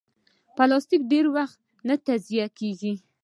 پلاستيک ډېر وخت نه تجزیه کېږي.